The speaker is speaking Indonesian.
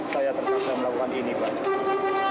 saya terpaksa melakukan ini pak